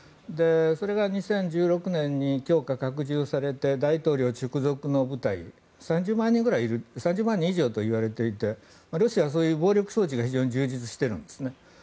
それが２０１６年に強化・拡充されて大統領直属の部隊３０万人以上と言われていてロシアはそういう暴力装置が非常に充実しているんですね。